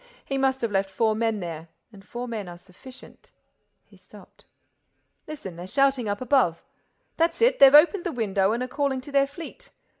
He must have left four men there—and four men are sufficient—" He stopped. "Listen—they're shouting up above. That's it, they've opened the window and are calling to their fleet.